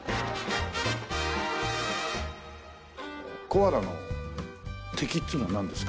コアラの敵っていうのはなんですか？